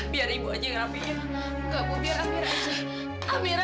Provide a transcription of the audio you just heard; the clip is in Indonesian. biar ibu aja yang ambil